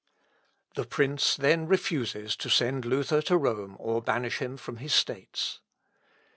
The prince then refuses to send Luther to Rome, or banish him from his states.